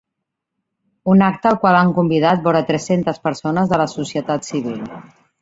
Un acte al qual han convidat vora tres-centes persones de la societat civil.